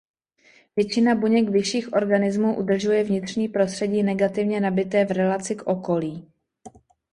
Většina buněk vyšších organismů udržuje vnitřní prostředí negativně nabité v relaci k okolí.